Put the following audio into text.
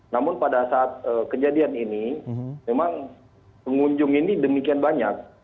namun pada saat kejadian ini memang pengunjung ini demikian banyak